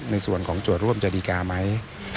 ในส่วนของโจทย์ร่วมจะดีการ์ไหม